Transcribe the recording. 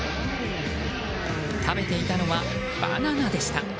食べていたのはバナナでした。